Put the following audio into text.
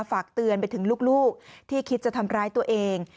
ฝากเตือนไปถึงลูกที่คิดจะทำร้ายตัวเอง